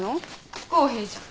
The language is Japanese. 不公平じゃん。